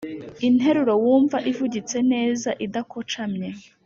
interuro wumva ivugitse neza idakocamye.